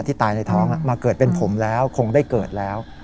ตายในท้องมาเกิดเป็นผมแล้วคงได้เกิดแล้ว